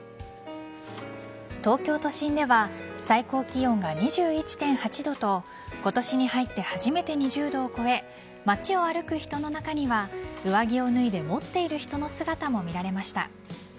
東京都心では最高気温が２１．８度と今年に入って初めて２０度を超え街を歩く人の中には上着を脱いで持っている人の姿も見られました。